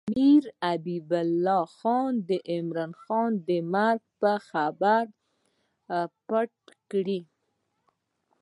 امیر حبیب الله خان د عمرا خان د مرګ خبره پټه کړې.